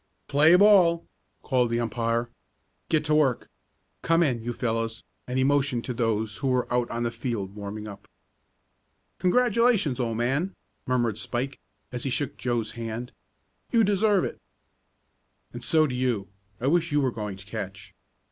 "Play ball!" called the umpire. "Get to work. Come in, you fellows," and he motioned to those who were out on the field warming up. "Congratulations, old man!" murmured Spike, as he shook Joe's hand. "You deserve it." "And so do you. I wish you were going to catch."